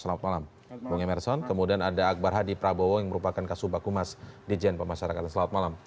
selamat malam bung emerson kemudian ada akbar hadi prabowo yang merupakan kasubah kumas di jn pemasarakan selamat malam